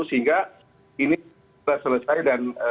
sehingga ini selesai dan